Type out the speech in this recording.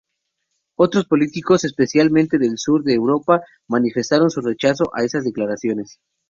Otros políticos, especialmente del sur de Europa, manifestaron su rechazo a esas declaraciones.